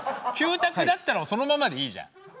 ９択だったらそのままでいいじゃん。